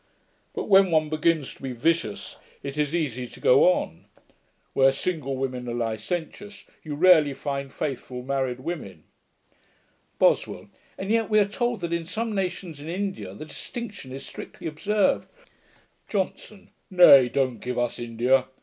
But when one begins to be vicious, it is easy to go on. Where single women are licentious, you rarely find faithful married women.' BOSWELL. 'And yet we are told that in some nations in India, the distinction is strictly observed.' JOHNSON. 'Nay, don't give us India.